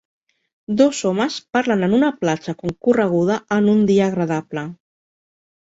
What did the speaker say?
Dos homes parlen en una platja concorreguda en un dia agradable.